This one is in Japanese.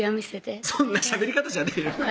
そんなしゃべり方じゃねぇよ